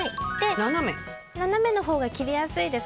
斜めのほうが切りやすいです。